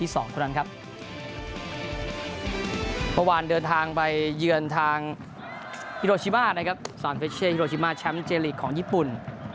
เซเช่ฮิโรชิม่าแชมป์เจริคของญี่ปุ่น